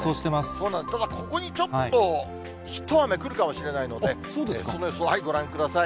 そうなんです、だからここにちょっと一雨来るかもしれないので、その様子をご覧ください。